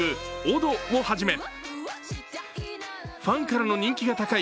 「踊」をはじめファンからの人気が高い